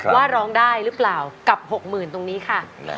ว่าร้องได้หรือเปล่ากับหกหมื่นตรงนี้ค่ะ